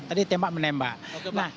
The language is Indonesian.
tadi tembak menembak